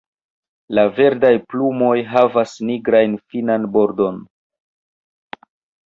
La verdaj plumoj havas nigran finan bordon.